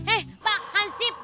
eh pak hansip